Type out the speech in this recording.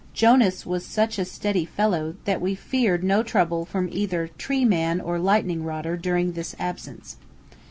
Jonas was such a steady fellow that we feared no trouble from tree man or lightning rodder during this absence.